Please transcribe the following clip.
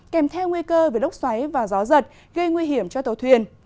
kèm theo nguy cơ về lốc xoáy và gió giật gây nguy hiểm cho tàu thuyền